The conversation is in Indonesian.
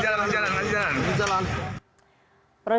sudah sudah aku tidak ada fakta yang menunjukkan bahwa aku bersalah secara hukum